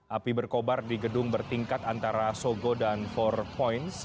api berkobar di gedung bertingkat antara sogo dan empat points